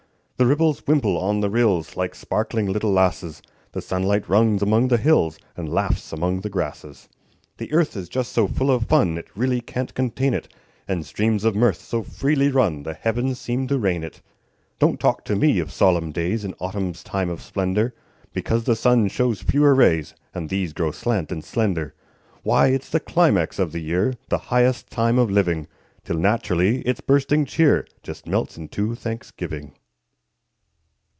The ripples wimple on the rills, Like sparkling little lasses; The sunlight runs along the hills, And laughs among the grasses. The earth is just so full of fun It really can't contain it; And streams of mirth so freely run The heavens seem to rain it. Don't talk to me of solemn days In autumn's time of splendor, Because the sun shows fewer rays, And these grow slant and slender. Why, it's the climax of the year, The highest time of living! Till naturally its bursting cheer Just melts into thanksgiving.